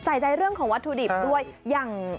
ใส่ใจเรื่องของวัตถุดิบด้วยอย่าง